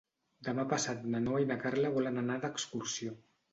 Demà passat na Noa i na Carla volen anar d'excursió.